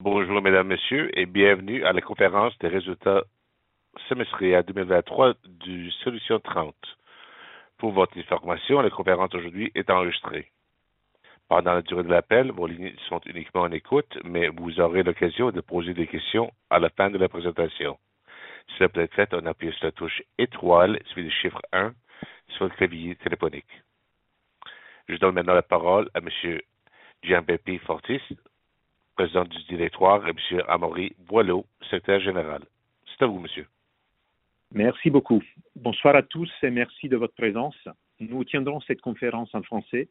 Bonjour Mesdames, Messieurs, et bienvenue à la conférence des résultats semestriels 2023 de Solutions Trente. Pour votre information, la conférence aujourd'hui est enregistrée. Pendant la durée de l'appel, vos lignes sont uniquement en écoute, mais vous aurez l'occasion de poser des questions à la fin de la présentation. Cela peut être fait en appuyant sur la touche étoile, suivi du chiffre un sur le clavier téléphonique. Je donne maintenant la parole à Monsieur Giambattista Fortis, Président du Directoire, et à Monsieur Amaury Boileau, Secrétaire Général. C'est à vous, Monsieur. Merci beaucoup. Bonsoir à tous et merci de votre présence. Nous tiendrons cette conférence en français.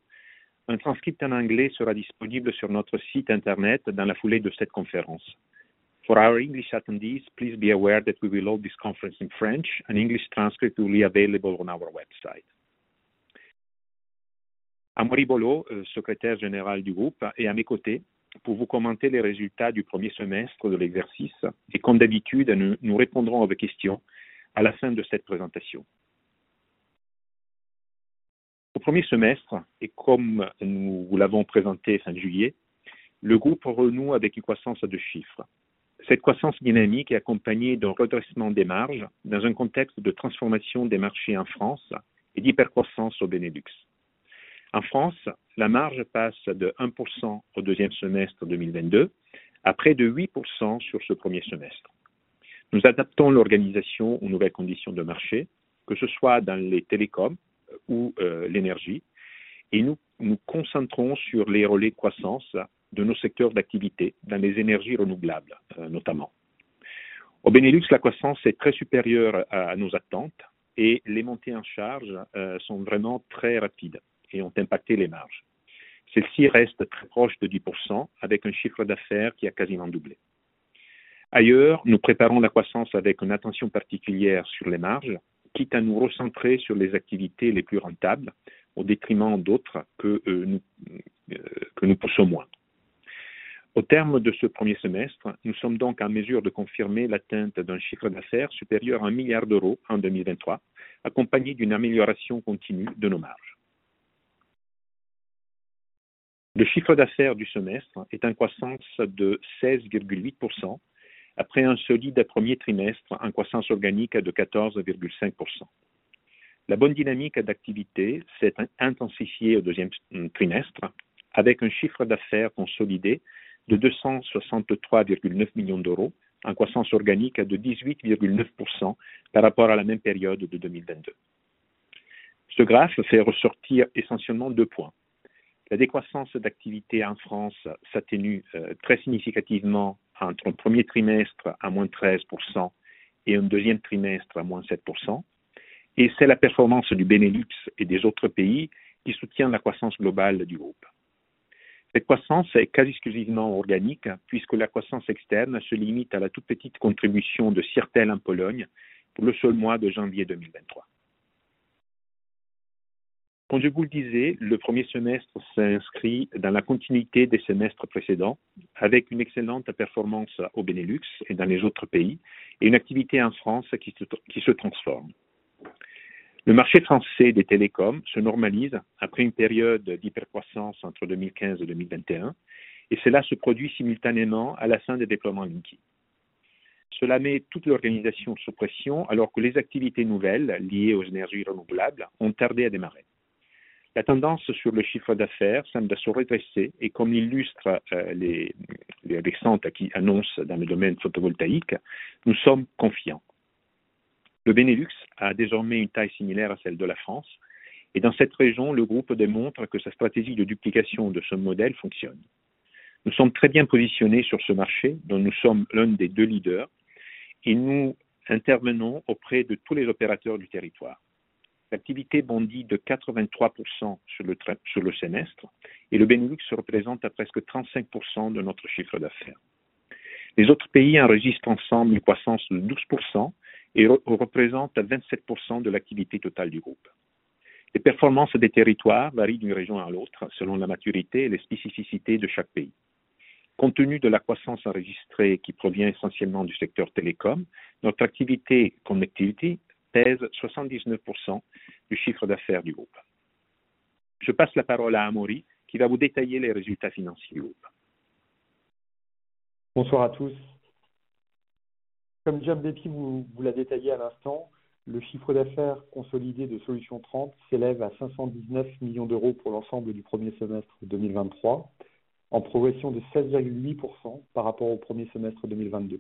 Un transcript en anglais sera disponible sur notre site Internet dans la foulée de cette conférence. For our English attendees, please be aware that we will hold this conference in French. An English transcript will be available on our website. Amaury Boileau, Secrétaire Général du groupe, est à mes côtés pour vous commenter les résultats du premier semestre de l'exercice et comme d'habitude, nous répondrons à vos questions à la fin de cette présentation. Au premier semestre, et comme nous vous l'avons présenté fin juillet, le groupe renoue avec une croissance à deux chiffres. Cette croissance dynamique est accompagnée d'un redressement des marges, dans un contexte de transformation des marchés en France et d'hypercroissance au Benelux. En France, la marge passe de 1% au deuxième semestre 2022 à près de 8% sur ce premier semestre. Nous adaptons l'organisation aux nouvelles conditions de marché, que ce soit dans les télécoms ou l'énergie, et nous nous concentrons sur les relais de croissance de nos secteurs d'activité, dans les énergies renouvelables, notamment. Au Benelux, la croissance est très supérieure à nos attentes et les montées en charge sont vraiment très rapides et ont impacté les marges. Celles-ci restent très proches de 10%, avec un chiffre d'affaires qui a quasiment doublé. Ailleurs, nous préparons la croissance avec une attention particulière sur les marges, quitte à nous recentrer sur les activités les plus rentables, au détriment d'autres que nous poussons moins. Au terme de ce premier semestre, nous sommes donc en mesure de confirmer l'atteinte d'un chiffre d'affaires supérieur à €1 milliard en 2023, accompagné d'une amélioration continue de nos marges. Le chiffre d'affaires du semestre est en croissance de 16,8%, après un solide premier trimestre, en croissance organique de 14,5%. La bonne dynamique d'activité s'est intensifiée au deuxième trimestre, avec un chiffre d'affaires consolidé de €263,9 millions, en croissance organique de 18,9% par rapport à la même période de 2022. Ce graphe fait ressortir essentiellement deux points : la décroissance d'activité en France s'atténue très significativement entre un premier trimestre à -13% et un deuxième trimestre à -7%. Et c'est la performance du Benelux et des autres pays qui soutient la croissance globale du groupe. Cette croissance est quasi exclusivement organique, puisque la croissance externe se limite à la toute petite contribution de Sirtel en Pologne, pour le seul mois de janvier 2023. Comme je vous le disais, le premier semestre s'inscrit dans la continuité des semestres précédents, avec une excellente performance au Benelux et dans les autres pays, et une activité en France qui se transforme. Le marché français des télécoms se normalise après une période d'hypercroissance entre 2015 et 2021, et cela se produit simultanément à la fin des déploiements en ligne. Cela met toute l'organisation sous pression, alors que les activités nouvelles, liées aux énergies renouvelables, ont tardé à démarrer. La tendance sur le chiffre d'affaires semble se redresser et comme l'illustrent les recentres qui annoncent dans le domaine photovoltaïque, nous sommes confiants. Le Benelux a désormais une taille similaire à celle de la France et dans cette région, le groupe démontre que sa stratégie de duplication de ce modèle fonctionne. Nous sommes très bien positionnés sur ce marché, dont nous sommes l'un des deux leaders, et nous intervenons auprès de tous les opérateurs du territoire. L'activité bondit de 83% sur le trimestre, sur le semestre et le Benelux représente presque 35% de notre chiffre d'affaires. Les autres pays enregistrent ensemble une croissance de 12% et représentent 27% de l'activité totale du groupe. Les performances des territoires varient d'une région à l'autre, selon la maturité et les spécificités de chaque pays. Compte tenu de la croissance enregistrée, qui provient essentiellement du secteur télécoms, notre activité Connectivity pèse 79% du chiffre d'affaires du groupe. Je passe la parole à Amaury, qui va vous détailler les résultats financiers du groupe. Bonsoir à tous. Comme Giambattista vous l'a détaillé à l'instant, le chiffre d'affaires consolidé de Solutions 30 s'élève à 519 millions d'euros pour l'ensemble du premier semestre 2023, en progression de 16,8% par rapport au premier semestre 2022.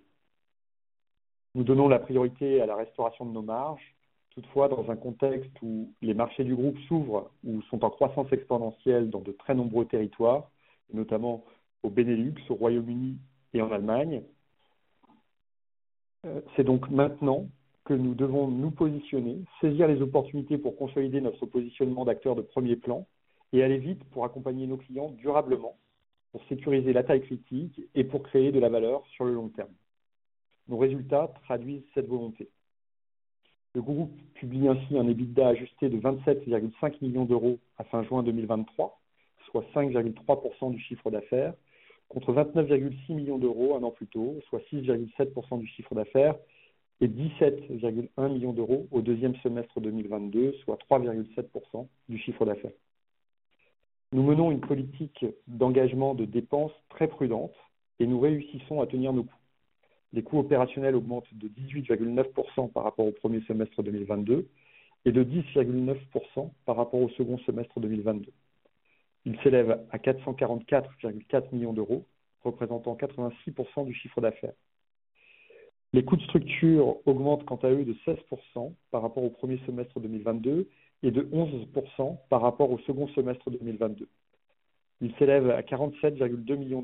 Nous donnons la priorité à la restauration de nos marges. Toutefois, dans un contexte où les marchés du groupe s'ouvrent ou sont en croissance exponentielle dans de très nombreux territoires, notamment au Benelux, au Royaume-Uni et en Allemagne, c'est donc maintenant que nous devons nous positionner, saisir les opportunités pour consolider notre positionnement d'acteur de premier plan et aller vite pour accompagner nos clients durablement, pour sécuriser la taille critique et pour créer de la valeur sur le long terme. Nos résultats traduisent cette volonté. Le groupe publie ainsi un EBITDA ajusté de 27,5 millions d'euros à fin juin 2023, soit 5,3% du chiffre d'affaires, contre 29,6 millions d'euros un an plus tôt, soit 6,7% du chiffre d'affaires, et 17,1 millions d'euros au deuxième semestre 2022, soit 3,7% du chiffre d'affaires. Nous menons une politique d'engagement de dépenses très prudente et nous réussissons à tenir nos coûts. Les coûts opérationnels augmentent de 18,9% par rapport au premier semestre 2022 et de 10,9% par rapport au second semestre 2022. Ils s'élèvent à 444,4 millions d'euros, représentant 86% du chiffre d'affaires. Les coûts de structure augmentent, quant à eux, de 16% par rapport au premier semestre 2022 et de 11% par rapport au second semestre 2022. Ils s'élèvent à €47,2 millions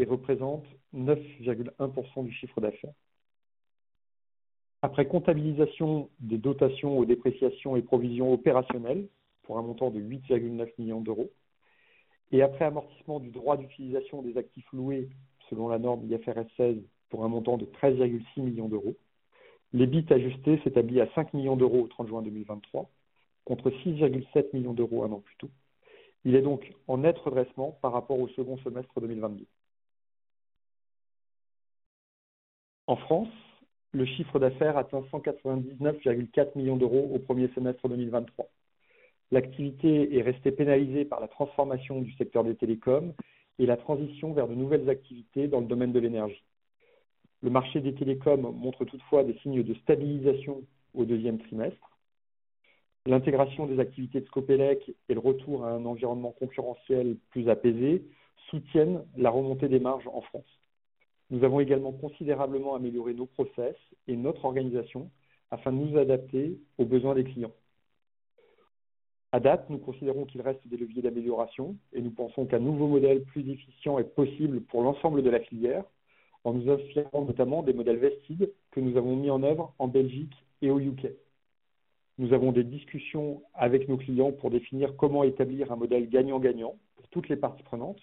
et représentent 9,1% du chiffre d'affaires. Après comptabilisation des dotations aux dépréciations et provisions opérationnelles, pour un montant de €8,9 millions, et après amortissement du droit d'utilisation des actifs loués selon la norme IFRS 16, pour un montant de €13,6 millions, l'EBIT ajusté s'établit à €5 millions au 30 juin 2023, contre €6,7 millions un an plus tôt. Il est donc en net redressement par rapport au second semestre 2022. En France, le chiffre d'affaires atteint €199,4 millions au premier semestre 2023. L'activité est restée pénalisée par la transformation du secteur des télécoms et la transition vers de nouvelles activités dans le domaine de l'énergie. Le marché des télécoms montre toutefois des signes de stabilisation au deuxième trimestre. L'intégration des activités de Scopelec et le retour à un environnement concurrentiel plus apaisé soutiennent la remontée des marges en France. Nous avons également considérablement amélioré nos process et notre organisation afin de nous adapter aux besoins des clients. À date, nous considérons qu'il reste des leviers d'amélioration et nous pensons qu'un nouveau modèle, plus efficient, est possible pour l'ensemble de la filière, en nous inspirant notamment des modèles vestiges que nous avons mis en œuvre en Belgique et au UK. Nous avons des discussions avec nos clients pour définir comment établir un modèle gagnant-gagnant pour toutes les parties prenantes.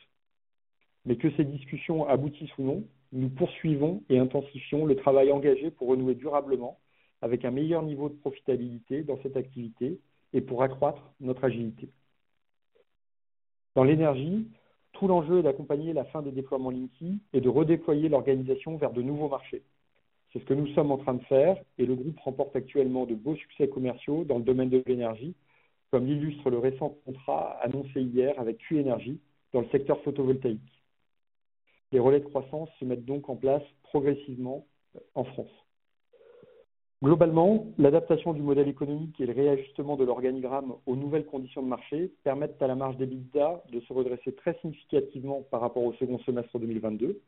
Mais que ces discussions aboutissent ou non, nous poursuivons et intensifions le travail engagé pour renouer durablement avec un meilleur niveau de profitabilité dans cette activité et pour accroître notre agilité. Dans l'énergie, tout l'enjeu est d'accompagner la fin des déploiements Linky et de redéployer l'organisation vers de nouveaux marchés. C'est ce que nous sommes en train de faire et le groupe remporte actuellement de beaux succès commerciaux dans le domaine de l'énergie, comme l'illustre le récent contrat annoncé hier avec Q Energy dans le secteur photovoltaïque. Les relais de croissance se mettent donc en place progressivement en France. Globalement, l'adaptation du modèle économique et le réajustement de l'organigramme aux nouvelles conditions de marché permettent à la marge d'EBITDA de se redresser très significativement par rapport au second semestre 2022.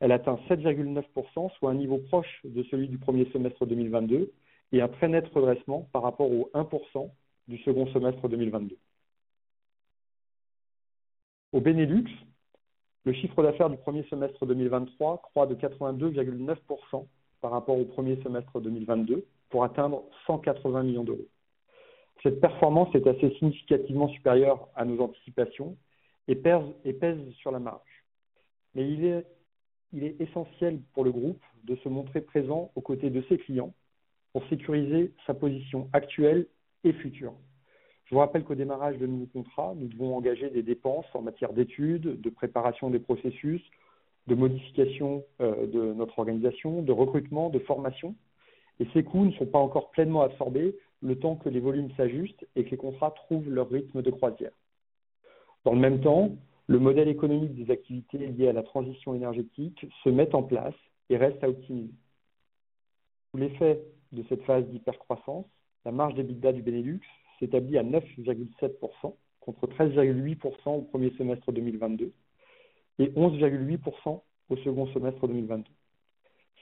Elle atteint 7,9%, soit un niveau proche de celui du premier semestre 2022, et un très net redressement par rapport au 1% du second semestre 2022. Au Benelux, le chiffre d'affaires du premier semestre 2023 croît de 82,9% par rapport au premier semestre 2022, pour atteindre 180 millions d'euros. Cette performance est assez significativement supérieure à nos anticipations et pèse sur la marge. Mais il est essentiel pour le groupe de se montrer présent aux côtés de ses clients pour sécuriser sa position actuelle et future. Je vous rappelle qu'au démarrage de nouveaux contrats, nous devons engager des dépenses en matière d'études, de préparation des processus, de modification de notre organisation, de recrutement, de formation. Et ces coûts ne sont pas encore pleinement absorbés, le temps que les volumes s'ajustent et que les contrats trouvent leur rythme de croisière. Dans le même temps, le modèle économique des activités liées à la transition énergétique se met en place et reste à optimiser. Sous l'effet de cette phase d'hypercroissance, la marge d'EBITDA du Benelux s'établit à 9,7%, contre 13,8% au premier semestre 2022 et 11,8% au second semestre 2022.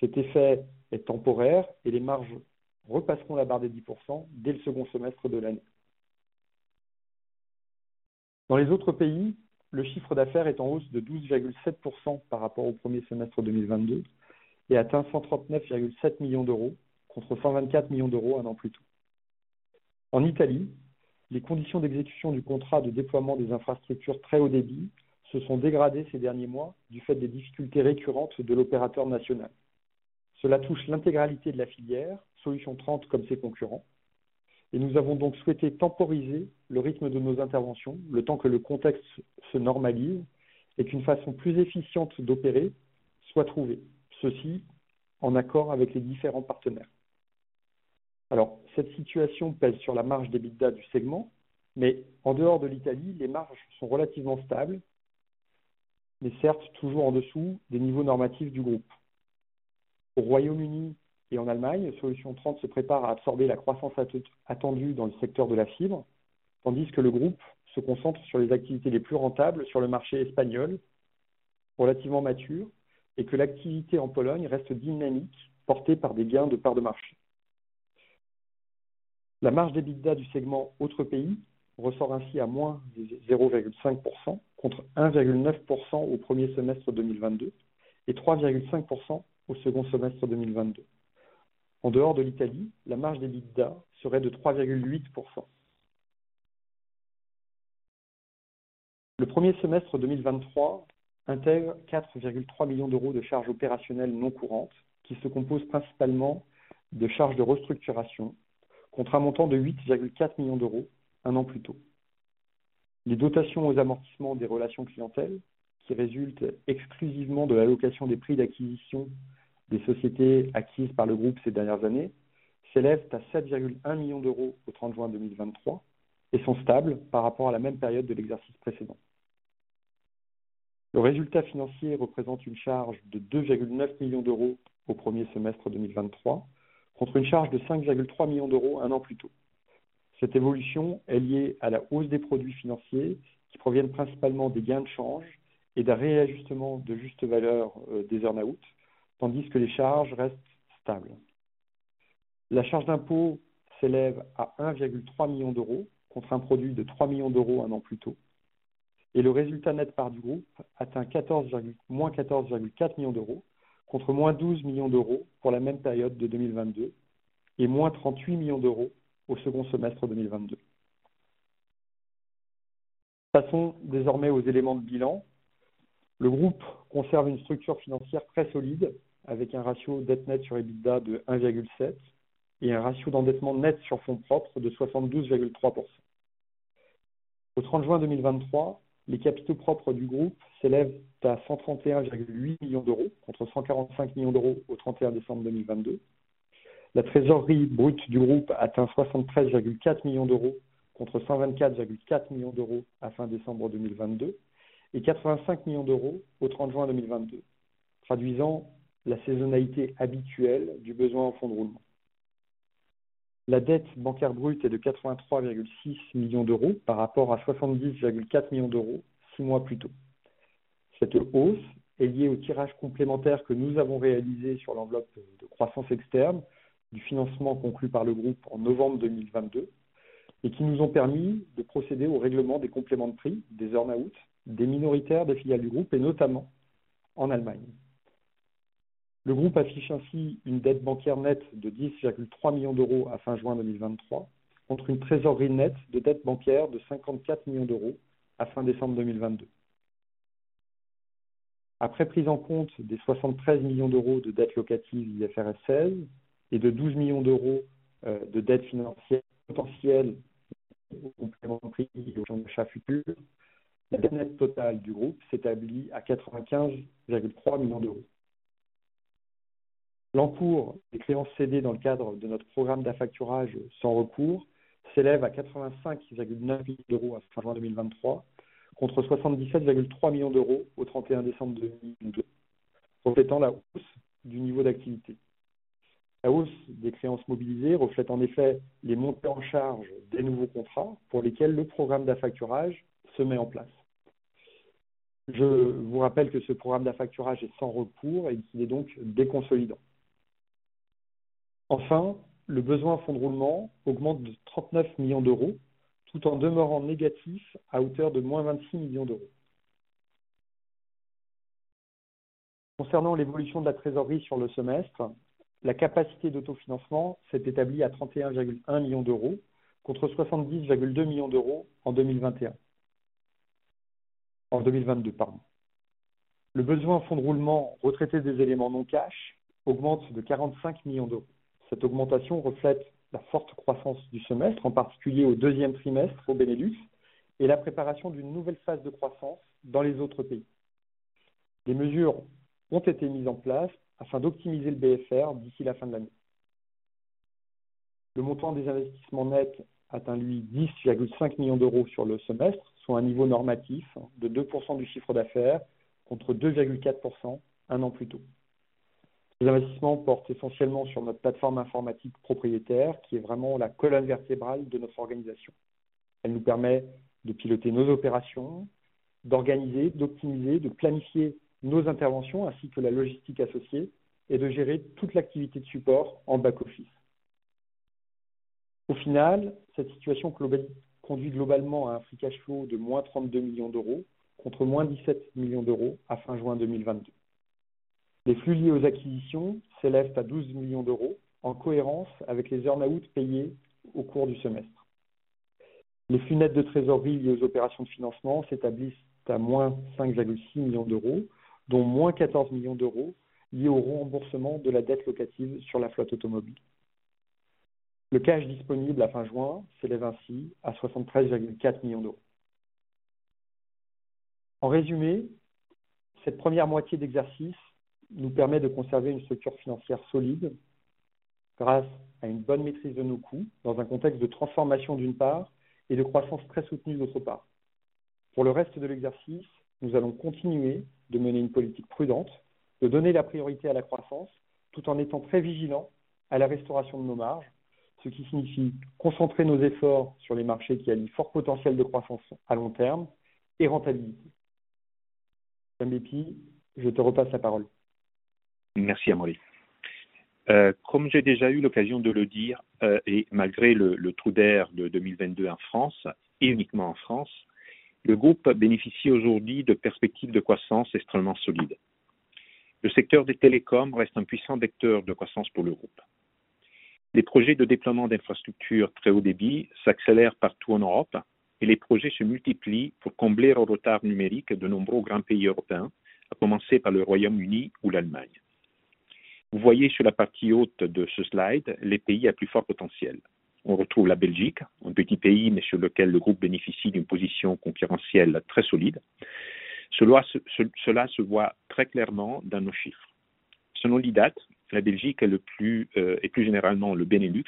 Cet effet est temporaire et les marges repasseront la barre des 10% dès le second semestre de l'année. Dans les autres pays, le chiffre d'affaires est en hausse de 12,7% par rapport au premier semestre 2022 et atteint €139,7 millions, contre €124 millions un an plus tôt. En Italie, les conditions d'exécution du contrat de déploiement des infrastructures très haut débit se sont dégradées ces derniers mois, du fait des difficultés récurrentes de l'opérateur national. Cela touche l'intégralité de la filière, Solutions 30 comme ses concurrents, et nous avons donc souhaité temporiser le rythme de nos interventions, le temps que le contexte se normalise et qu'une façon plus efficiente d'opérer soit trouvée. Ceci, en accord avec les différents partenaires. Cette situation pèse sur la marge d'EBITDA du segment, mais en dehors de l'Italie, les marges sont relativement stables, mais certes toujours en dessous des niveaux normatifs du groupe. Au Royaume-Uni et en Allemagne, Solutions 30 se prépare à absorber la croissance attendue dans le secteur de la fibre, tandis que le groupe se concentre sur les activités les plus rentables sur le marché espagnol, relativement mature, et que l'activité en Pologne reste dynamique, portée par des gains de parts de marché. La marge d'EBITDA du segment Autres pays ressort ainsi à -0,5%, contre 1,9% au premier semestre 2022 et 3,5% au second semestre 2022. En dehors de l'Italie, la marge d'EBITDA serait de 3,8%. Le premier semestre 2023 intègre €4,3 millions de charges opérationnelles non courantes, qui se composent principalement de charges de restructuration, contre un montant de €8,4 millions un an plus tôt. Les dotations aux amortissements des relations clientèles, qui résultent exclusivement de la location des prix d'acquisition des sociétés acquises par le groupe ces dernières années, s'élèvent à €7,1 millions au 30 juin 2023 et sont stables par rapport à la même période de l'exercice précédent. Le résultat financier représente une charge de €2,9 millions au premier semestre 2023, contre une charge de €5,3 millions un an plus tôt. Cette évolution est liée à la hausse des produits financiers, qui proviennent principalement des gains de change et d'un réajustement de juste valeur des earn-out, tandis que les charges restent stables. La charge d'impôt s'élève à 1,3 millions d'euros, contre un produit de 3 millions d'euros un an plus tôt, et le résultat net part du groupe atteint -14,4 millions d'euros, contre -12 millions d'euros pour la même période de 2022 et -38 millions d'euros au second semestre 2022. Passons désormais aux éléments de bilan. Le groupe conserve une structure financière très solide, avec un ratio dette nette sur EBITDA de 1,7 et un ratio d'endettement net sur fonds propres de 72,3%. Au 30 juin 2023, les capitaux propres du groupe s'élèvent à 131,8 millions d'euros, contre 145 millions d'euros au 31 décembre 2022. La trésorerie brute du groupe atteint 73,4 millions d'euros, contre 124,4 millions d'euros à fin décembre 2022, et 85 millions d'euros au 30 juin 2022, traduisant la saisonnalité habituelle du besoin en fonds de roulement. La dette bancaire brute est de 83,6 millions d'euros, par rapport à 70,4 millions d'euros six mois plus tôt. Cette hausse est liée au tirage complémentaire que nous avons réalisé sur l'enveloppe de croissance externe du financement conclu par le groupe en novembre 2022, et qui nous ont permis de procéder au règlement des compléments de prix, des earn out, des minoritaires, des filiales du groupe et notamment en Allemagne. Le groupe affiche ainsi une dette bancaire nette de 10,3 millions d'euros à fin juin 2023, contre une trésorerie nette de dettes bancaires de 54 millions d'euros à fin décembre 2022. Après prise en compte des 73 millions d'euros de dettes locatives IFRS 16 et de 12 millions d'euros de dettes financières potentielles aux compléments de prix et aux achats futurs, la dette nette totale du groupe s'établit à 95,3 millions d'euros. L'encours des créances cédées dans le cadre de notre programme d'affacturage sans recours s'élève à 85,9 millions d'euros à fin juin 2023, contre 77,3 millions d'euros au 31 décembre 2022, reflétant la hausse du niveau d'activité. La hausse des créances mobilisées reflète en effet les montées en charge des nouveaux contrats pour lesquels le programme d'affacturage se met en place. Je vous rappelle que ce programme d'affacturage est sans recours et qu'il est donc déconsolidant. Enfin, le besoin en fonds de roulement augmente de €39 millions, tout en demeurant négatif à hauteur de moins €26 millions. Concernant l'évolution de la trésorerie sur le semestre, la capacité d'autofinancement s'est établie à €31,1 millions, contre €70,2 millions en 2022. Le besoin en fonds de roulement, retraité des éléments non cash, augmente de €45 millions. Cette augmentation reflète la forte croissance du semestre, en particulier au deuxième trimestre au Benelux, et la préparation d'une nouvelle phase de croissance dans les autres pays. Des mesures ont été mises en place afin d'optimiser le BFR d'ici la fin de l'année. Le montant des investissements nets atteint lui 10,5 millions d'euros sur le semestre, soit un niveau normatif de 2% du chiffre d'affaires, contre 2,4% un an plus tôt. Les investissements portent essentiellement sur notre plateforme informatique propriétaire, qui est vraiment la colonne vertébrale de notre organisation. Elle nous permet de piloter nos opérations, d'organiser, d'optimiser, de planifier nos interventions ainsi que la logistique associée et de gérer toute l'activité de support en back-office. Au final, cette situation conduit globalement à un free cash flow de moins 32 millions d'euros, contre moins 17 millions d'euros à fin juin 2022. Les flux liés aux acquisitions s'élèvent à 12 millions d'euros, en cohérence avec les earn out payés au cours du semestre. Les fenêtres de trésorerie liées aux opérations de financement s'établissent à -5,6 millions d'euros, dont -14 millions d'euros liés au remboursement de la dette locative sur la flotte automobile. Le cash disponible à fin juin s'élève ainsi à 73,4 millions d'euros. En résumé, cette première moitié d'exercice nous permet de conserver une structure financière solide grâce à une bonne maîtrise de nos coûts, dans un contexte de transformation d'une part, et de croissance très soutenue, d'autre part. Pour le reste de l'exercice, nous allons continuer de mener une politique prudente, de donner la priorité à la croissance tout en étant très vigilants à la restauration de nos marges, ce qui signifie concentrer nos efforts sur les marchés qui ont un fort potentiel de croissance à long terme et rentabilité. Jean-Philippe, je te repasse la parole. Merci Amaury. Comme j'ai déjà eu l'occasion de le dire, et malgré le trou d'air de 2022 en France, et uniquement en France, le groupe bénéficie aujourd'hui de perspectives de croissance extrêmement solides. Le secteur des télécoms reste un puissant vecteur de croissance pour le groupe. Les projets de déploiement d'infrastructures très haut débit s'accélèrent partout en Europe et les projets se multiplient pour combler le retard numérique de nombreux grands pays européens, à commencer par le Royaume-Uni ou l'Allemagne. Vous voyez sur la partie haute de ce slide les pays à plus fort potentiel. On retrouve la Belgique, un petit pays, mais sur lequel le groupe bénéficie d'une position concurrentielle très solide. Cela se voit très clairement dans nos chiffres. Selon l'IDATE, la Belgique, et plus généralement le Benelux,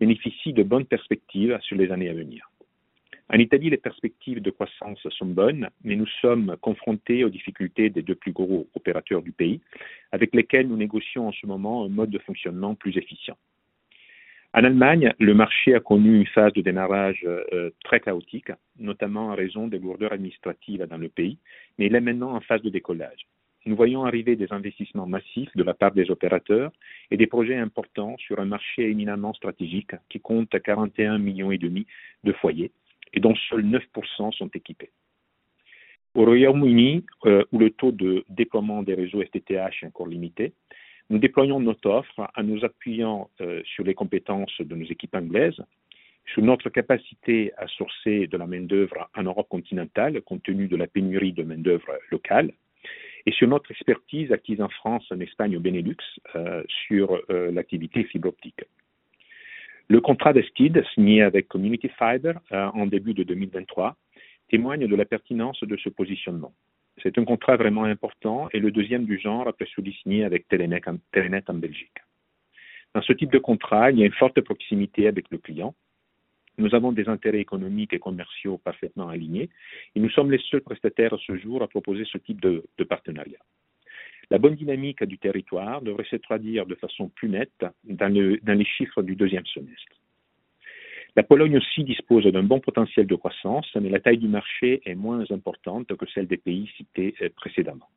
bénéficie de bonnes perspectives sur les années à venir. En Italie, les perspectives de croissance sont bonnes, mais nous sommes confrontés aux difficultés des deux plus gros opérateurs du pays, avec lesquels nous négocions en ce moment un mode de fonctionnement plus efficient. En Allemagne, le marché a connu une phase de démarrage très chaotique, notamment en raison des lourdeurs administratives dans le pays, mais il est maintenant en phase de décollage. Nous voyons arriver des investissements massifs de la part des opérateurs et des projets importants sur un marché éminemment stratégique qui compte 41,5 millions de foyers et dont seuls 9% sont équipés. Au Royaume-Uni, où le taux de déploiement des réseaux FTTH est encore limité, nous déployons notre offre en nous appuyant sur les compétences de nos équipes anglaises, sur notre capacité à sourcer de la main-d'œuvre en Europe continentale, compte tenu de la pénurie de main-d'œuvre locale, et sur notre expertise acquise en France, en Espagne, au Benelux, sur l'activité fibre optique. Le contrat d'Eskeed, signé avec Community Fibre en début de 2023, témoigne de la pertinence de ce positionnement. C'est un contrat vraiment important et le deuxième du genre après celui signé avec Telenet en Belgique. Dans ce type de contrat, il y a une forte proximité avec le client. Nous avons des intérêts économiques et commerciaux parfaitement alignés et nous sommes les seuls prestataires à ce jour à proposer ce type de partenariat. La bonne dynamique du territoire devrait se traduire de façon plus nette dans les chiffres du deuxième semestre. La Pologne aussi dispose d'un bon potentiel de croissance, mais la taille du marché est moins importante que celle des pays cités précédemment.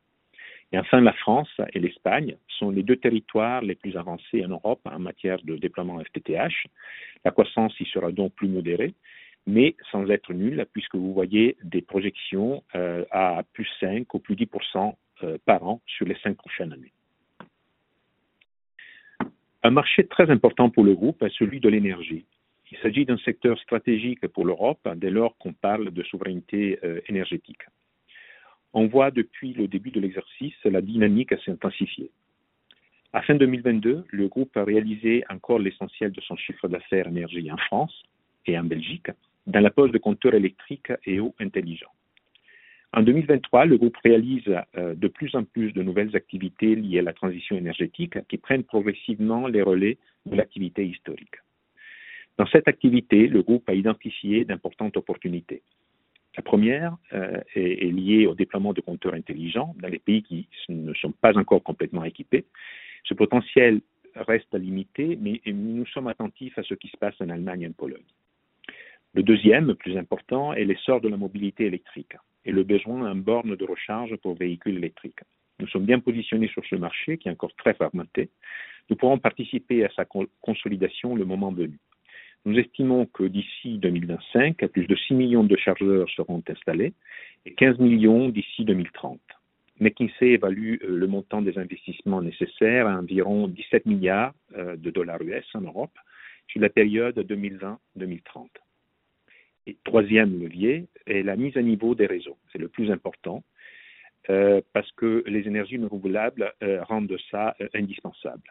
Enfin, la France et l'Espagne sont les deux territoires les plus avancés en Europe en matière de déploiement FTTH. La croissance y sera donc plus modérée, mais sans être nulle, puisque vous voyez des projections à plus 5% ou plus 10% par an sur les cinq prochaines années. Un marché très important pour le groupe est celui de l'énergie. Il s'agit d'un secteur stratégique pour l'Europe, dès lors qu'on parle de souveraineté énergétique. On voit depuis le début de l'exercice la dynamique s'intensifier. À fin 2022, le groupe a réalisé encore l'essentiel de son chiffre d'affaires énergie en France et en Belgique, dans la pose de compteurs électriques et eaux intelligents. En 2023, le groupe réalise de plus en plus de nouvelles activités liées à la transition énergétique, qui prennent progressivement les relais de l'activité historique. Dans cette activité, le groupe a identifié d'importantes opportunités. La première est liée au déploiement de compteurs intelligents dans les pays qui ne sont pas encore complètement équipés. Ce potentiel reste limité, mais nous sommes attentifs à ce qui se passe en Allemagne et en Pologne. Le deuxième, le plus important, est l'essor de la mobilité électrique et le besoin en bornes de recharge pour véhicules électriques. Nous sommes bien positionnés sur ce marché, qui est encore très fragmenté. Nous pourrons participer à sa consolidation le moment venu. Nous estimons que d'ici 2025, plus de 6 millions de chargeurs seront installés et 15 millions d'ici 2030. McKinsey évalue le montant des investissements nécessaires à environ $17 milliards US en Europe sur la période 2022-2030. Le troisième levier est la mise à niveau des réseaux. C'est le plus important, parce que les énergies renouvelables rendent ça indispensable.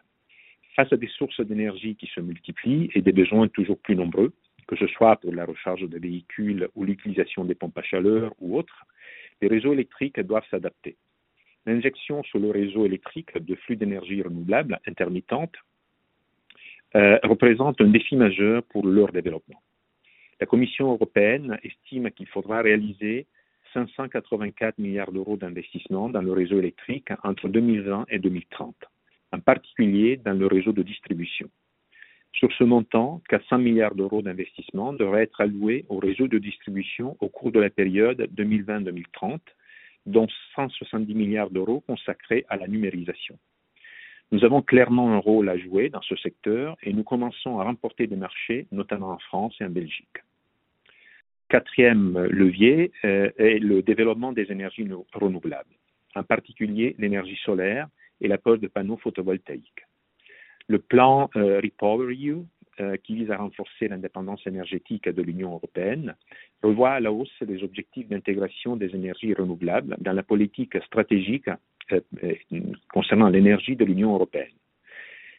Face à des sources d'énergie qui se multiplient et des besoins toujours plus nombreux, que ce soit pour la recharge de véhicules ou l'utilisation des pompes à chaleur ou autres, les réseaux électriques doivent s'adapter. L'injection sur le réseau électrique de flux d'énergie renouvelable intermittente représente un défi majeur pour leur développement. La Commission européenne estime qu'il faudra réaliser 584 milliards d'euros d'investissements dans le réseau électrique entre 2020 et 2030, en particulier dans le réseau de distribution. Sur ce montant, 100 milliards d'euros d'investissements devraient être alloués au réseau de distribution au cours de la période 2020-2030, dont 170 milliards d'euros consacrés à la numérisation. Nous avons clairement un rôle à jouer dans ce secteur et nous commençons à remporter des marchés, notamment en France et en Belgique. Quatrième levier est le développement des énergies renouvelables, en particulier l'énergie solaire et la pose de panneaux photovoltaïques. Le plan REPowerEU, qui vise à renforcer l'indépendance énergétique de l'Union européenne, revoit à la hausse les objectifs d'intégration des énergies renouvelables dans la politique stratégique concernant l'énergie de l'Union européenne.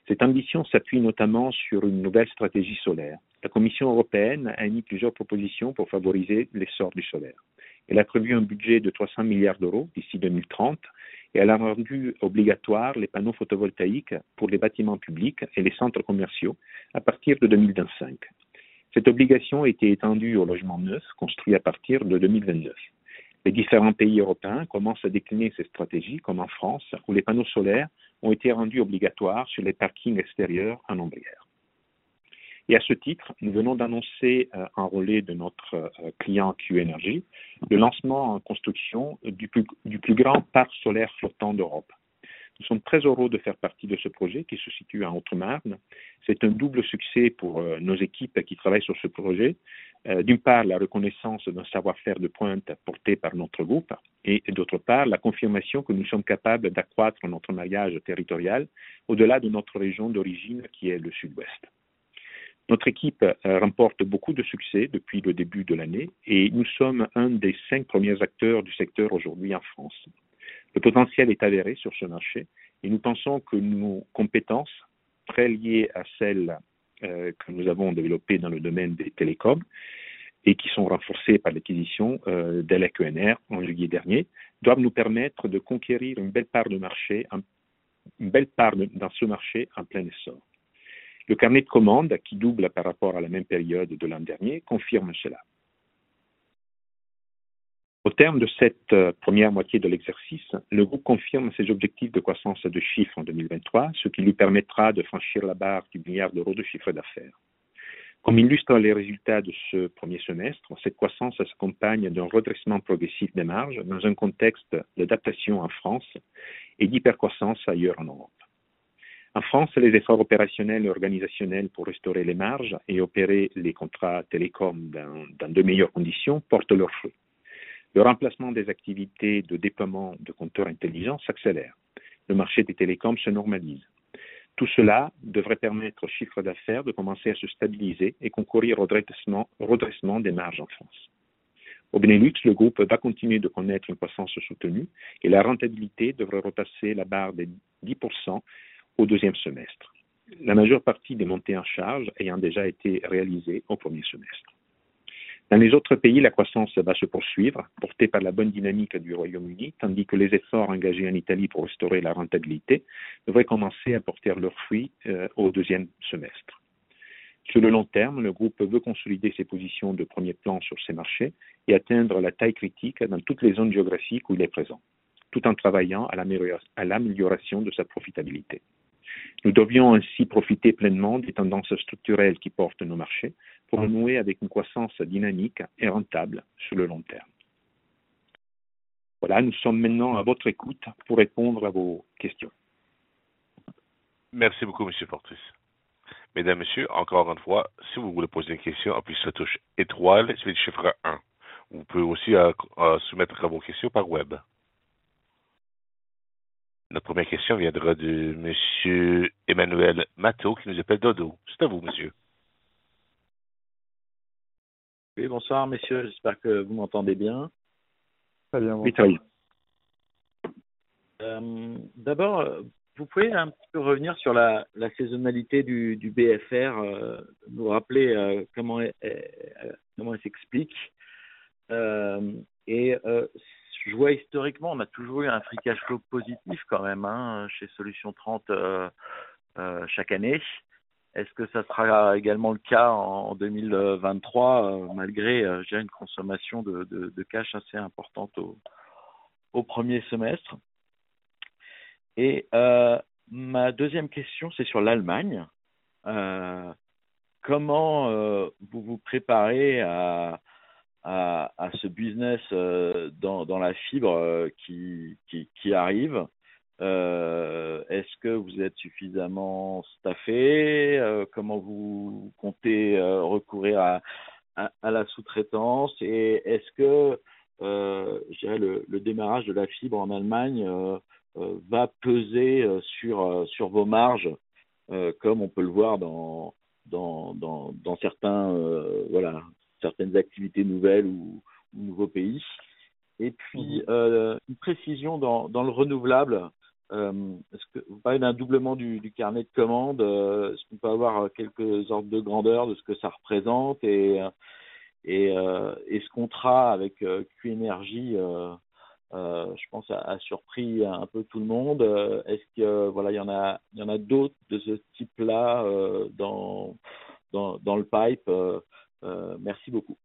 Cette ambition s'appuie notamment sur une nouvelle stratégie solaire. La Commission européenne a émis plusieurs propositions pour favoriser l'essor du solaire. Elle a prévu un budget de 300 milliards d'euros d'ici 2030 et elle a rendu obligatoires les panneaux photovoltaïques pour les bâtiments publics et les centres commerciaux à partir de 2025. Cette obligation a été étendue aux logements neufs, construits à partir de 2029. Les différents pays européens commencent à décliner cette stratégie, comme en France, où les panneaux solaires ont été rendus obligatoires sur les parkings extérieurs en ombrelle. À ce titre, nous venons d'annoncer, en relais de notre client Q-Energy, le lancement en construction du plus grand parc solaire flottant d'Europe. Nous sommes très heureux de faire partie de ce projet qui se situe en Haute-Marne. C'est un double succès pour nos équipes qui travaillent sur ce projet. D'une part, la reconnaissance d'un savoir-faire de pointe apporté par notre groupe et d'autre part, la confirmation que nous sommes capables d'accroître notre maillage territorial au-delà de notre région d'origine, qui est le Sud-Ouest. Notre équipe remporte beaucoup de succès depuis le début de l'année et nous sommes un des cinq premiers acteurs du secteur aujourd'hui en France. Le potentiel est avéré sur ce marché et nous pensons que nos compétences, très liées à celles que nous avons développées dans le domaine des télécoms et qui sont renforcées par l'acquisition d'EleQNR en juillet dernier, doivent nous permettre de conquérir une belle part de marché, une belle part dans ce marché en plein essor. Le carnet de commandes, qui double par rapport à la même période de l'an dernier, confirme cela. Au terme de cette première moitié de l'exercice, le groupe confirme ses objectifs de croissance de chiffre en 2023, ce qui lui permettra de franchir la barre du milliard d'euros de chiffre d'affaires. Comme illustrent les résultats de ce premier semestre, cette croissance s'accompagne d'un redressement progressif des marges, dans un contexte d'adaptation en France et d'hypercroissance ailleurs en Europe. En France, les efforts opérationnels et organisationnels pour restaurer les marges et opérer les contrats télécoms dans de meilleures conditions portent leurs fruits. Le remplacement des activités de déploiement de compteurs intelligents s'accélère. Le marché des télécoms se normalise. Tout cela devrait permettre au chiffre d'affaires de commencer à se stabiliser et concourir au redressement des marges en France. Au Benelux, le groupe va continuer de connaître une croissance soutenue et la rentabilité devrait repasser la barre des 10% au deuxième semestre. La majeure partie des montées en charge ayant déjà été réalisée au premier semestre. Dans les autres pays, la croissance va se poursuivre, portée par la bonne dynamique du Royaume-Uni, tandis que les efforts engagés en Italie pour restaurer la rentabilité devraient commencer à porter leurs fruits au deuxième semestre. Sur le long terme, le groupe veut consolider ses positions de premier plan sur ses marchés et atteindre la taille critique dans toutes les zones géographiques où il est présent, tout en travaillant à l'amélioration de sa profitabilité. Nous devrions ainsi profiter pleinement des tendances structurelles qui portent nos marchés pour renouer avec une croissance dynamique et rentable sur le long terme. Voilà, nous sommes maintenant à votre écoute pour répondre à vos questions. Merci beaucoup, Monsieur Fortus. Mesdames, Messieurs, encore une fois, si vous voulez poser une question, appuyez sur la touche étoile, suivi du chiffre un. Vous pouvez aussi soumettre vos questions par web. Notre première question viendra de Monsieur Emmanuel Matteau, qui nous appelle d'Oddo. C'est à vous, Monsieur. Oui, bonsoir messieurs, j'espère que vous m'entendez bien. Très bien. Oui. D'abord, vous pouvez un petit peu revenir sur la saisonnalité du BFR, nous rappeler comment elle s'explique? Et je vois historiquement, on a toujours eu un free cash flow positif quand même chez Solutions 30 chaque année. Est-ce que ça sera également le cas en 2023, malgré, je dirais, une consommation de cash assez importante au premier semestre? Et ma deuxième question, c'est sur l'Allemagne. Comment vous vous préparez à ce business dans la fibre qui arrive? Est-ce que vous êtes suffisamment staffé? Comment vous comptez recourir à la sous-traitance? Est-ce que le démarrage de la fibre en Allemagne va peser sur vos marges, comme on peut le voir dans certaines activités nouvelles ou nouveaux pays? Et puis une précision dans le renouvelable. Vous parlez d'un doublement du carnet de commandes. Est-ce qu'on peut avoir quelques ordres de grandeur de ce que ça représente? Et ce contrat avec Q-Energy a surpris un peu tout le monde. Est-ce qu'il y en a d'autres de ce type-là dans le pipe? Merci beaucoup.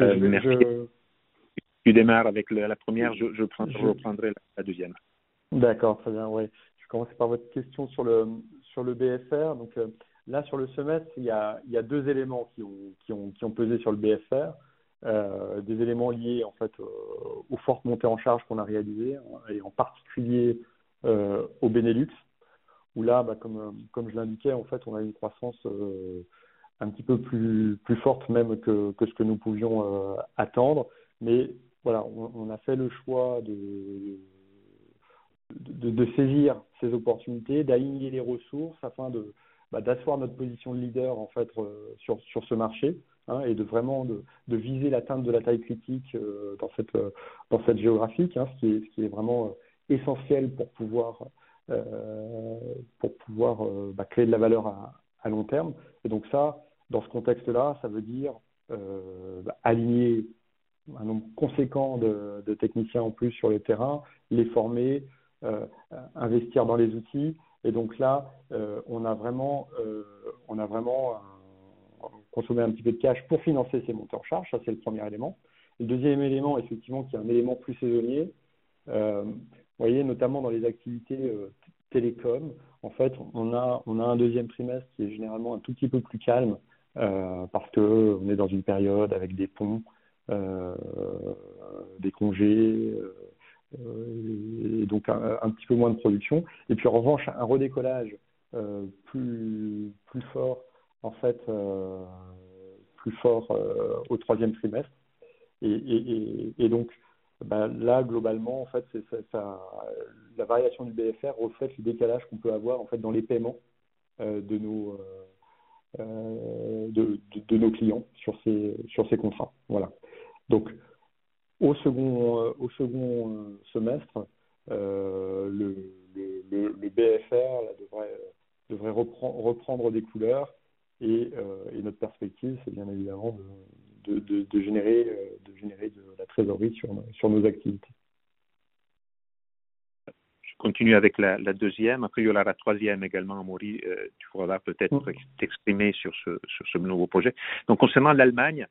Merci. Tu démarres avec la première, je reprendrai la deuxième. D'accord, très bien. Oui, je vais commencer par votre question sur le BFR. Donc là, sur le semestre, il y a deux éléments qui ont pesé sur le BFR, des éléments liés en fait aux fortes montées en charge qu'on a réalisées et en particulier au Benelux, où là, comme je l'indiquais, en fait, on a une croissance un petit peu plus forte même que ce que nous pouvions attendre. Mais voilà, on a fait le choix de saisir ces opportunités, d'aligner les ressources afin d'asseoir notre position de leader, en fait, sur ce marché et de vraiment viser l'atteinte de la taille critique dans cette géographique, ce qui est vraiment essentiel pour pouvoir créer de la valeur à long terme. Dans ce contexte-là, ça veut dire aligner un nombre conséquent de techniciens en plus sur le terrain, les former, investir dans les outils. Donc là, on a vraiment consommé un petit peu de cash pour financer ces montées en charge. Ça, c'est le premier élément. Le deuxième élément, effectivement, qui est un élément plus saisonnier, vous voyez, notamment dans les activités télécoms. En fait, on a un deuxième trimestre qui est généralement un tout petit peu plus calme, parce qu'on est dans une période avec des ponts, des congés, et donc un petit peu moins de production. En revanche, un redécollage plus fort au troisième trimestre. Donc là, globalement, en fait, la variation du BFR reflète le décalage qu'on peut avoir en fait dans les paiements de nos clients sur ces contrats, voilà. Donc, au second semestre, le BFR devrait reprendre des couleurs et notre perspective, c'est bien évidemment de générer de la trésorerie sur nos activités. Je continue avec la deuxième. Après, il y aura la troisième également, Amaury. Tu pourras peut-être t'exprimer sur ce nouveau projet. Donc concernant l'Allemagne,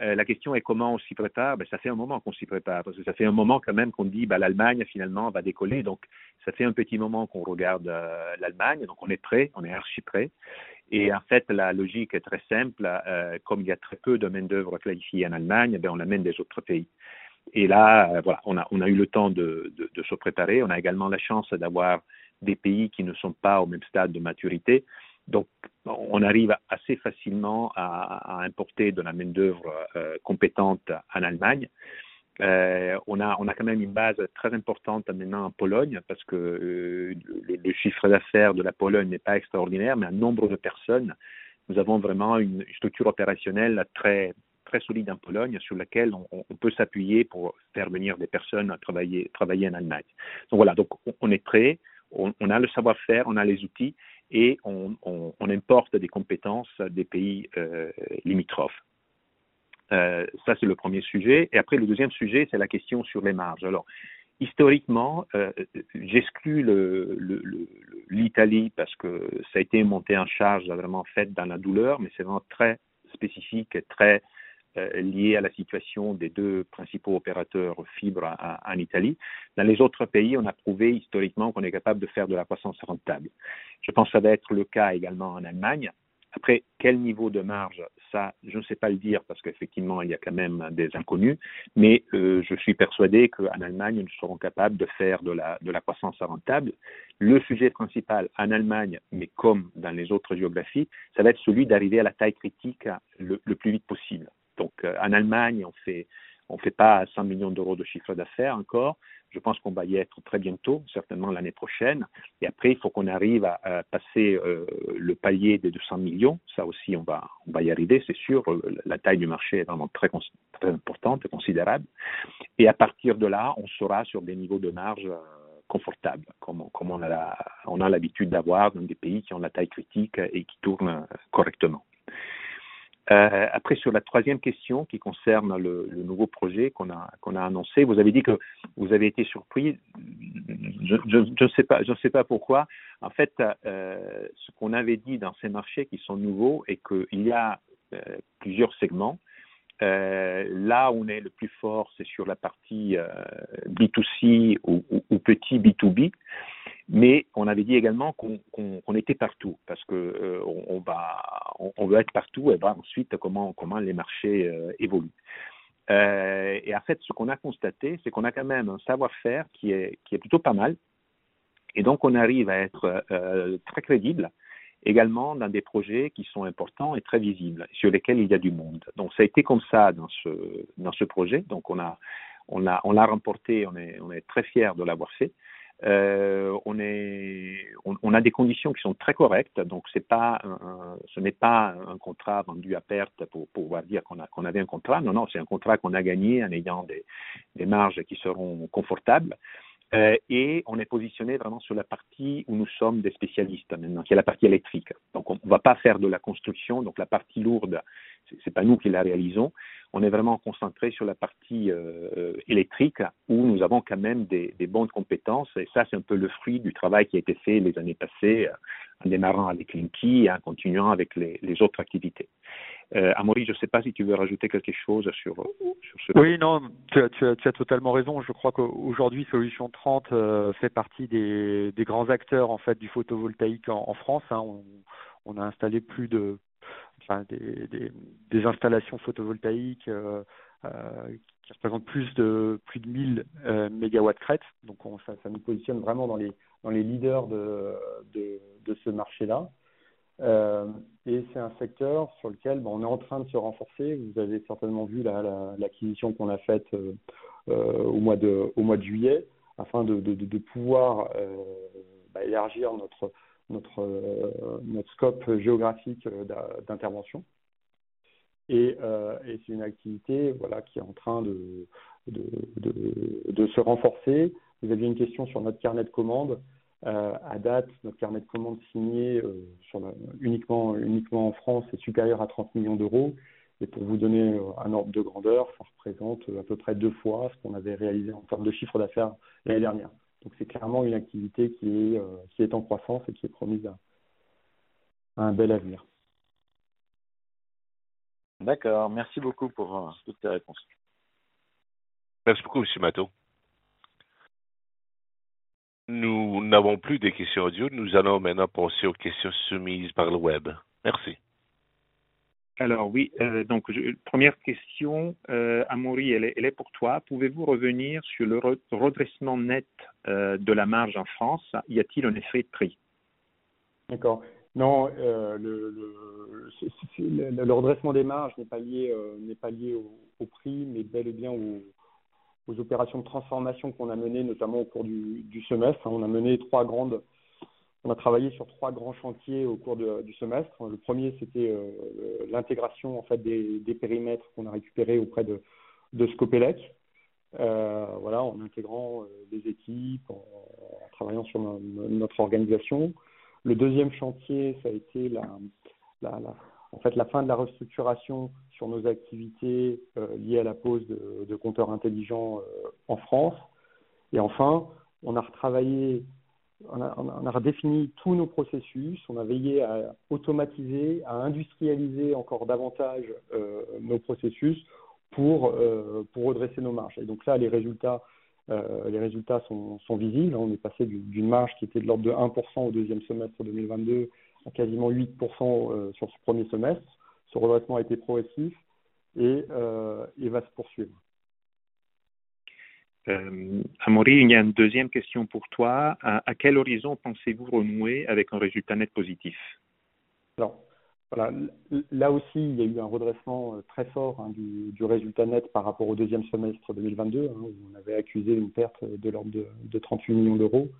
la question est: comment on s'y prépare? Ça fait un moment qu'on s'y prépare, parce que ça fait un moment quand même qu'on dit: l'Allemagne, finalement, va décoller. Donc ça fait un petit moment qu'on regarde l'Allemagne. Donc on est prêt, on est archi prêt. Et en fait, la logique est très simple. Comme il y a très peu de main-d'œuvre qualifiée en Allemagne, on amène des autres pays. Et là, voilà, on a eu le temps de se préparer. On a également la chance d'avoir des pays qui ne sont pas au même stade de maturité. Donc, on arrive assez facilement à importer de la main-d'œuvre compétente en Allemagne. On a quand même une base très importante maintenant en Pologne, parce que le chiffre d'affaires de la Pologne n'est pas extraordinaire, mais en nombre de personnes, nous avons vraiment une structure opérationnelle très, très solide en Pologne, sur laquelle on peut s'appuyer pour faire venir des personnes travailler en Allemagne. Donc voilà, donc on est prêt, on a le savoir-faire, on a les outils et on importe des compétences des pays limitrophes. Ça, c'est le premier sujet. Et après, le deuxième sujet, c'est la question sur les marges. Alors, historiquement, j'exclus l'Italie, parce que ça a été une montée en charge vraiment faite dans la douleur, mais c'est vraiment très spécifique et très lié à la situation des deux principaux opérateurs fibre en Italie. Dans les autres pays, on a prouvé historiquement qu'on est capable de faire de la croissance rentable. Je pense que ça va être le cas également en Allemagne. Après, quel niveau de marge? Ça, je ne sais pas le dire, parce qu'effectivement, il y a quand même des inconnues, mais je suis persuadé qu'en Allemagne, nous serons capables de faire de la croissance rentable. Le sujet principal en Allemagne, mais comme dans les autres géographies, ça va être celui d'arriver à la taille critique le plus vite possible. Donc, en Allemagne, on ne fait pas €100 millions de chiffre d'affaires encore. Je pense qu'on va y être très bientôt, certainement l'année prochaine. Et après, il faut qu'on arrive à passer le palier des €200 millions. Ça aussi, on va y arriver, c'est sûr. La taille du marché est vraiment très importante et considérable. Et à partir de là, on sera sur des niveaux de marges confortables, comme on a l'habitude d'avoir dans des pays qui ont la taille critique et qui tournent correctement. Après, sur la troisième question qui concerne le nouveau projet qu'on a annoncé, vous avez dit que vous avez été surpris. Je ne sais pas pourquoi. En fait, ce qu'on avait dit dans ces marchés qui sont nouveaux est qu'il y a plusieurs segments. Là où on est le plus fort, c'est sur la partie B2C ou petit B2B, mais on avait dit également qu'on était partout, parce qu'on veut être partout et ensuite, comment les marchés évoluent. Et en fait, ce qu'on a constaté, c'est qu'on a quand même un savoir-faire qui est plutôt pas mal et donc on arrive à être très crédible également dans des projets qui sont importants et très visibles, sur lesquels il y a du monde. Ça a été comme ça dans ce projet. On l'a remporté, on est très fiers de l'avoir fait. On a des conditions qui sont très correctes, donc ce n'est pas un contrat vendu à perte pour pouvoir dire qu'on avait un contrat. Non, non, c'est un contrat qu'on a gagné en ayant des marges qui seront confortables. Et on est positionné vraiment sur la partie où nous sommes des spécialistes, qui est la partie électrique. On ne va pas faire de la construction. La partie lourde, ce n'est pas nous qui la réalisons. On est vraiment concentré sur la partie électrique, où nous avons quand même des bonnes compétences. Et ça, c'est un peu le fruit du travail qui a été fait les années passées, en démarrant avec Linky et en continuant avec les autres activités. Amaury, je ne sais pas si tu veux rajouter quelque chose sur ce- Oui, non, tu as totalement raison. Je crois qu'aujourd'hui, Solutions 30 fait partie des grands acteurs du photovoltaïque en France. On a installé plus de, enfin, des installations photovoltaïques qui représentent plus de mille mégawatts-crête. Donc ça nous positionne vraiment dans les leaders de ce marché-là. Et c'est un secteur sur lequel on est en train de se renforcer. Vous avez certainement vu l'acquisition qu'on a faite au mois de juillet, afin de pouvoir élargir notre scope géographique d'intervention. Et c'est une activité qui est en train de se renforcer. Vous aviez une question sur notre carnet de commandes. À date, notre carnet de commandes signé uniquement en France, est supérieur à €30 millions. Et pour vous donner un ordre de grandeur, ça représente à peu près deux fois ce qu'on avait réalisé en termes de chiffre d'affaires l'année dernière. Donc c'est clairement une activité qui est en croissance et qui est promise à un bel avenir. D'accord. Merci beaucoup pour toutes ces réponses. Merci beaucoup, Monsieur Matteau. Nous n'avons plus de questions audio. Nous allons maintenant passer aux questions soumises par le web. Merci. Alors, oui, donc, première question, Amaury, elle est pour toi: pouvez-vous revenir sur le redressement net de la marge en France? Y a-t-il un effet de prix? D'accord. Non, le redressement des marges n'est pas lié au prix, mais bel et bien aux opérations de transformation qu'on a menées, notamment au cours du semestre. On a mené trois grandes, on a travaillé sur trois grands chantiers au cours du semestre. Le premier, c'était l'intégration en fait des périmètres qu'on a récupérés auprès de Scopelec. Voilà, en intégrant des équipes, en travaillant sur notre organisation. Le deuxième chantier, ça a été la fin de la restructuration sur nos activités liées à la pose de compteurs intelligents en France. Enfin, on a retravaillé, on a redéfini tous nos processus. On a veillé à automatiser, à industrialiser encore davantage nos processus pour redresser nos marges. Les résultats sont visibles. On est passé d'une marge qui était de l'ordre de 1% au deuxième semestre 2022, à quasiment 8% sur ce premier semestre. Ce redressement a été progressif et il va se poursuivre. Amaury, il y a une deuxième question pour toi: à quel horizon pensez-vous renouer avec un résultat net positif? Alors voilà, là aussi, il y a eu un redressement très fort du résultat net par rapport au deuxième semestre 2022, où on avait accusé une perte de l'ordre de €38 millions.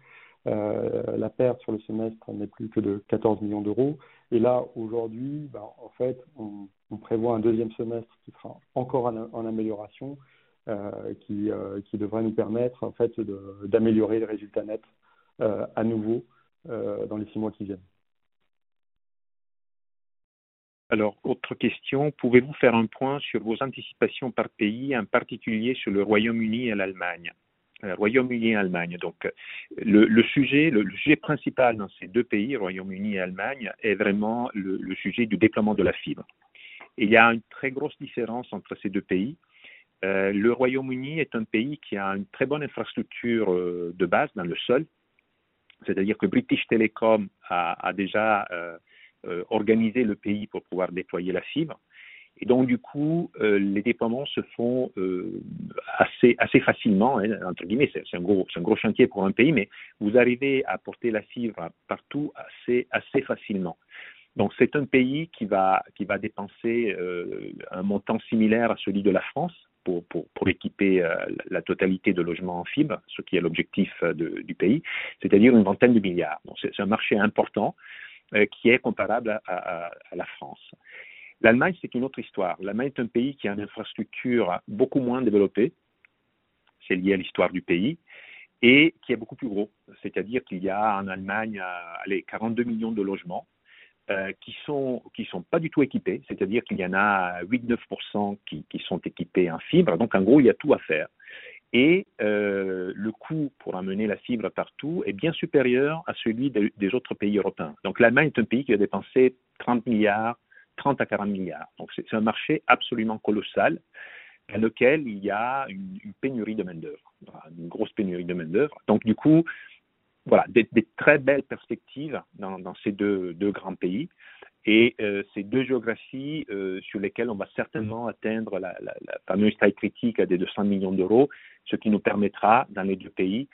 La perte sur le semestre n'est plus que de €14 millions. Et là, aujourd'hui, en fait, on prévoit un deuxième semestre qui sera encore en amélioration, qui devrait nous permettre en fait d'améliorer le résultat net à nouveau dans les six mois qui viennent. Alors, autre question: pouvez-vous faire un point sur vos anticipations par pays, en particulier sur le Royaume-Uni et l'Allemagne? Royaume-Uni et Allemagne. Donc, le sujet, le sujet principal dans ces deux pays, Royaume-Uni et Allemagne, est vraiment le sujet du déploiement de la fibre. Il y a une très grosse différence entre ces deux pays. Le Royaume-Uni est un pays qui a une très bonne infrastructure de base dans le sol. C'est-à-dire que British Telecom a déjà organisé le pays pour pouvoir déployer la fibre. Et donc, du coup, les déploiements se font assez, assez facilement, entre guillemets. C'est un gros chantier pour un pays, mais vous arrivez à porter la fibre partout, assez, assez facilement. C'est un pays qui va dépenser un montant similaire à celui de la France pour équiper la totalité de logements en fibre, ce qui est l'objectif du pays, c'est-à-dire une vingtaine de milliards. C'est un marché important, qui est comparable à la France. L'Allemagne, c'est une autre histoire. L'Allemagne est un pays qui a une infrastructure beaucoup moins développée, c'est lié à l'histoire du pays, et qui est beaucoup plus gros. C'est-à-dire qu'il y a en Allemagne, allez, 42 millions de logements qui sont pas du tout équipés. C'est-à-dire qu'il y en a 8%, 9% qui sont équipés en fibre. En gros, il y a tout à faire. Le coût pour amener la fibre partout est bien supérieur à celui des autres pays européens. Donc l'Allemagne est un pays qui va dépenser 30 milliards, 30 à 40 milliards. C'est un marché absolument colossal, dans lequel il y a une pénurie de main-d'œuvre, une grosse pénurie de main-d'œuvre. Du coup, voilà, des très belles perspectives dans ces deux grands pays et ces deux géographies sur lesquelles on va certainement atteindre la fameuse taille critique des 200 millions d'euros, ce qui nous permettra, dans les deux pays,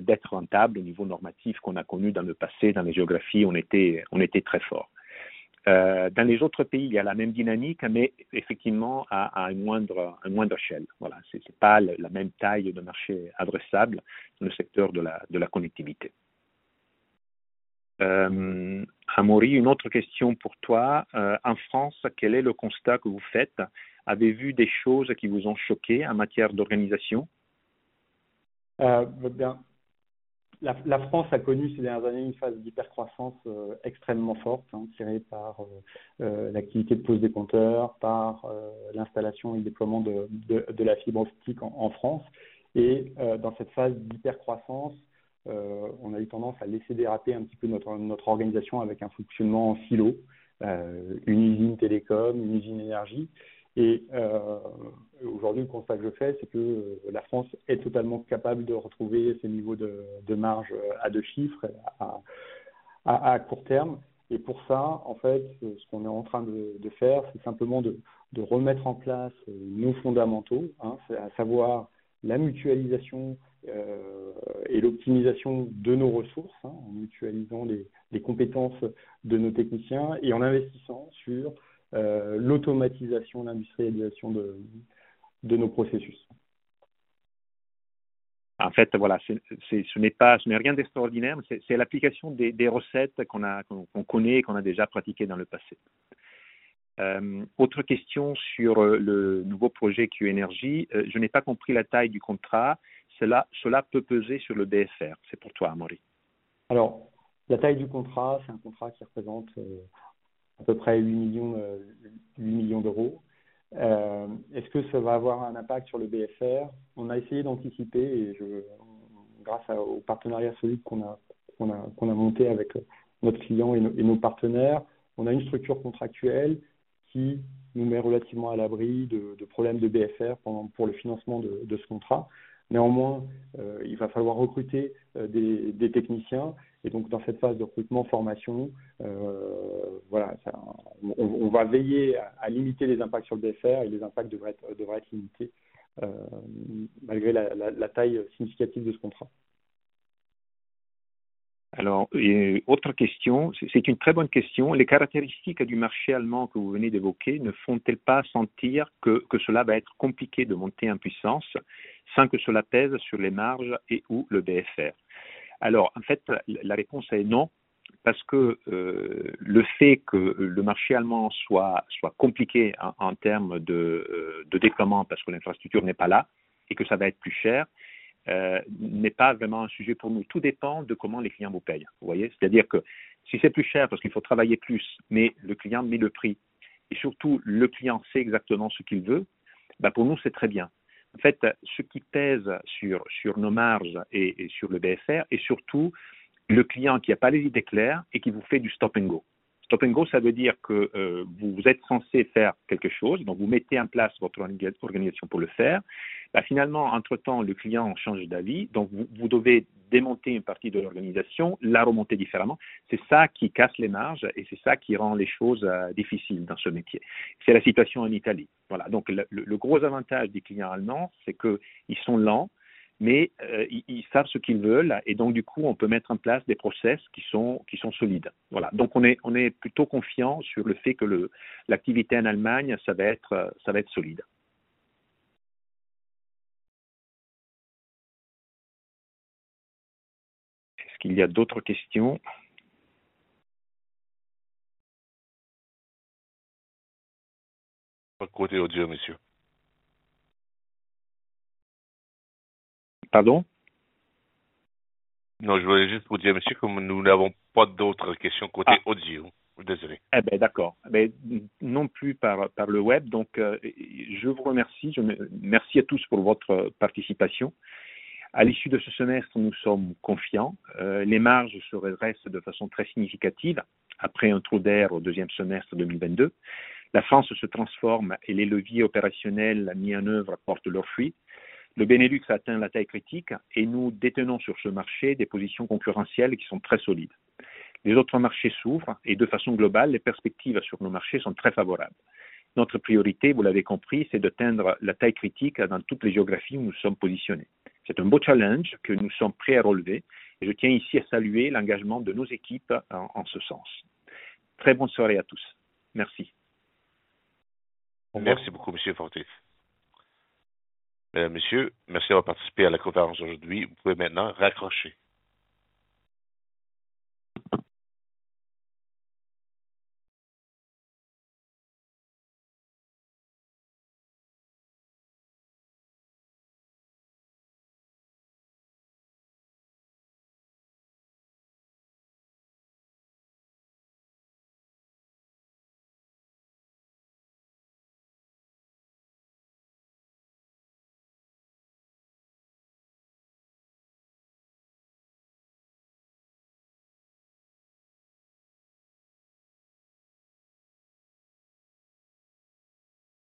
d'être rentables au niveau normatif qu'on a connu dans le passé. Dans les géographies, on était très fort. Dans les autres pays, il y a la même dynamique, mais effectivement, à une moindre échelle. Voilà, ce n'est pas la même taille de marché adressable dans le secteur de la connectivité. Amaury, une autre question pour toi. En France, quel est le constat que vous faites? Avez-vous vu des choses qui vous ont choqué en matière d'organisation? La France a connu ces dernières années une phase d'hypercroissance extrêmement forte, tirée par l'activité de pose des compteurs, par l'installation et le déploiement de la fibre optique en France. Dans cette phase d'hypercroissance, on a eu tendance à laisser déraper un petit peu notre organisation avec un fonctionnement en silo, une usine télécom, une usine énergie. Aujourd'hui, le constat que je fais, c'est que la France est totalement capable de retrouver ses niveaux de marges à deux chiffres, à court terme. Pour ça, en fait, ce qu'on est en train de faire, c'est simplement de remettre en place nos fondamentaux, à savoir la mutualisation et l'optimisation de nos ressources, en mutualisant les compétences de nos techniciens et en investissant sur l'automatisation, l'industrialisation de nos processus. En fait, voilà, ce n'est pas, ce n'est rien d'extraordinaire. C'est l'application des recettes qu'on a, qu'on connaît et qu'on a déjà pratiquées dans le passé. Autre question sur le nouveau projet Q-Energy: je n'ai pas compris la taille du contrat. Cela peut peser sur le BFR? C'est pour toi, Amaury. Alors, la taille du contrat, c'est un contrat qui représente à peu près 8 millions d'euros. Est-ce que ça va avoir un impact sur le BFR? On a essayé d'anticiper et grâce au partenariat solide qu'on a monté avec notre client et nos partenaires, on a une structure contractuelle qui nous met relativement à l'abri de problèmes de BFR pour le financement de ce contrat. Néanmoins, il va falloir recruter des techniciens et donc, dans cette phase de recrutement, formation, voilà, ça, on va veiller à limiter les impacts sur le BFR et les impacts devraient être limités, malgré la taille significative de ce contrat. Alors, et autre question, c'est une très bonne question. Les caractéristiques du marché allemand que vous venez d'évoquer ne font-elles pas sentir que cela va être compliqué de monter en puissance sans que cela pèse sur les marges et ou le DFR? Alors, en fait, la réponse est non, parce que le fait que le marché allemand soit compliqué en termes de déploiement, parce que l'infrastructure n'est pas là et que ça va être plus cher, n'est pas vraiment un sujet pour nous. Tout dépend de comment les clients vous payent. Vous voyez? C'est-à-dire que si c'est plus cher parce qu'il faut travailler plus, mais le client met le prix et surtout, le client sait exactement ce qu'il veut, ben, pour nous, c'est très bien. En fait, ce qui pèse sur nos marges et sur le DFR est surtout le client qui n'a pas les idées claires et qui vous fait du stop and go. Stop and go, ça veut dire que vous êtes censé faire quelque chose, donc vous mettez en place votre organisation pour le faire. Finalement, entre-temps, le client change d'avis, donc vous devez démonter une partie de l'organisation, la remonter différemment. C'est ça qui casse les marges et c'est ça qui rend les choses difficiles dans ce métier. C'est la situation en Italie. Le gros avantage des clients allemands, c'est qu'ils sont lents, mais ils savent ce qu'ils veulent et donc du coup, on peut mettre en place des process qui sont solides. On est plutôt confiant sur le fait que l'activité en Allemagne, ça va être solide. Est-ce qu'il y a d'autres questions? Pas de côté audio, monsieur. Pardon? Non, je voulais juste vous dire, monsieur, que nous n'avons pas d'autres questions côté audio. Désolé. D'accord. Mais non plus par le web. Donc, je vous remercie. Merci à tous pour votre participation. À l'issue de ce semestre, nous sommes confiants. Les marges se redressent de façon très significative après un trou d'air au deuxième semestre 2022. La France se transforme et les leviers opérationnels mis en œuvre portent leurs fruits. Le Benelux a atteint la taille critique et nous détenons sur ce marché des positions concurrentielles qui sont très solides. Les autres marchés s'ouvrent et de façon globale, les perspectives sur nos marchés sont très favorables. Notre priorité, vous l'avez compris, c'est d'atteindre la taille critique dans toutes les géographies où nous sommes positionnés. C'est un beau challenge que nous sommes prêts à relever et je tiens ici à saluer l'engagement de nos équipes en ce sens. Très bonne soirée à tous. Merci. Merci beaucoup, Monsieur Fortier. Mesdames, Messieurs, merci d'avoir participé à la conférence d'aujourd'hui. Vous pouvez maintenant raccrocher.